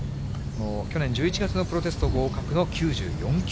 去年１１月のプロテスト合格